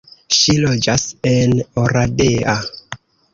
Ŝi loĝas en Oradea.